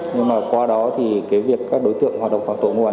nhưng mà qua đó thì cái việc các đối tượng hoạt động phòng tội ngô an